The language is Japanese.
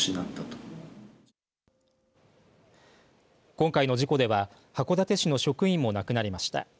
今回の事故では函館市の職員も亡くなりました。